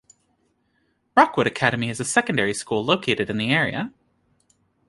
Rockwood Academy is a secondary school located in the area.